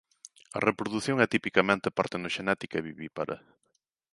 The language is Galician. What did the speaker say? A reprodución é tipicamente partenoxenética e vivípara.